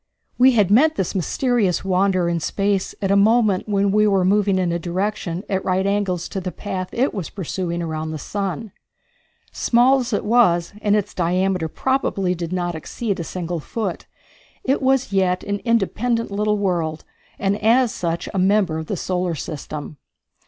We had met this mysterious wanderer in space at a moment when we were moving in a direction at right angles to the path it was pursuing around the sun. Small as it was, and its diameter probably did not exceed a single foot, it was yet an independent little world, and as such a member of the solar system.